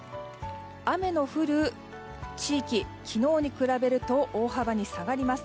雨の降る地域、昨日に比べると大幅に下がります。